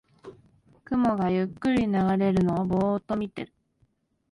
雲がゆっくり流れるのをぼーっと見てる